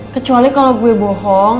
kecuali kalau gue bohong